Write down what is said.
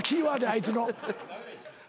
あいつの。